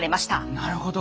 なるほど。